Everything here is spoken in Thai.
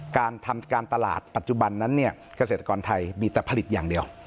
การทำการตลาดปัจจุบันนั้นเนี่ยเกษตรกรไทยมีแต่ผลิตอย่างเดียว